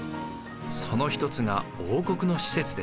その一つが王国の施設です。